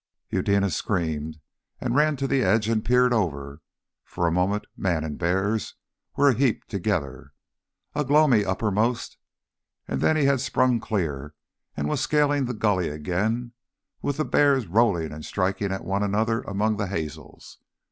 Eudena screamed and ran to the edge and peered over. For a moment, man and bears were a heap together, Ugh lomi uppermost; and then he had sprung clear and was scaling the gully again, with the bears rolling and striking at one another among the hazels.